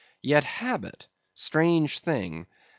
Yet habit—strange thing!